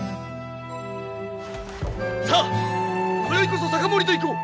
さあこよいこそ酒盛りといこう！